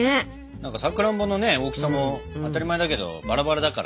何かさくらんぼのね大きさも当たり前だけどバラバラだからね。